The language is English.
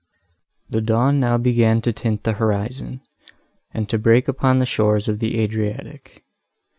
The dawn now began to tint the horizon, and to break upon the shores of the Adriatic.